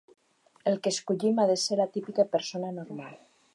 El que escollim ha de ser la típica persona normal.